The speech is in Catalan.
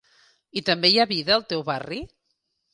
I també hi ha vida al teu barri?